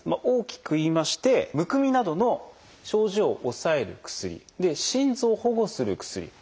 大きく言いましてむくみなどの症状を抑える薬。で心臓を保護する薬。